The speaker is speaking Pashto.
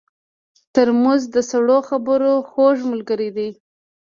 ترموز د سړو خبرو خوږ ملګری دی.